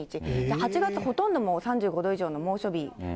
８月ほとんどの所が３５度以上の猛暑日。